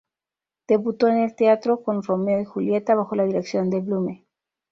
Debutó en el teatro con "Romeo y Julieta", bajo la dirección de Blume.